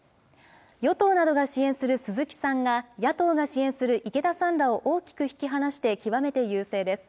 与党などが支援する鈴木さんが、野党が支援する池田さんらを大きく引き離して、極めて優勢です。